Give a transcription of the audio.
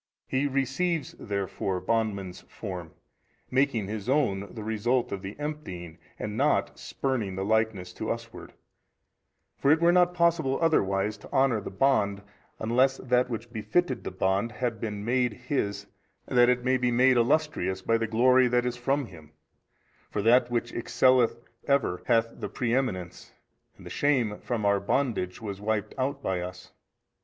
He receives therefore bondman's form, making His own the results of the emptying 17 and not spurning the likeness to usward: for it were not possible otherwise to honour the bond unless that which befitteth the bond had been made His that it might be made illustrious by the glory that is from Him: for that which excelleth ever hath the pre eminence and the shame from our bondage was wiped out by us.